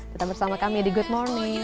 tetap bersama kami di good morning